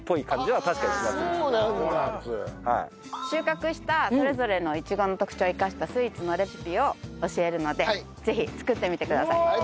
収穫したそれぞれのイチゴの特徴を生かしたスイーツのレシピを教えるのでぜひ作ってみてください。